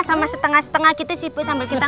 sama setengah setengah gitu ibu sambil kita